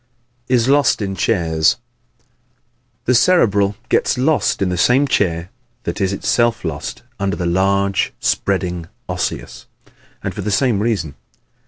Is Lost in Chairs ¶ The Cerebral gets lost in the same chair that is itself lost under the large, spreading Osseous; and for the same reason.